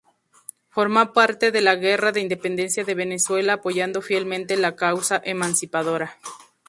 Formó parte de la Guerra de Independencia de Venezuela, apoyando fielmente la causa emancipadora.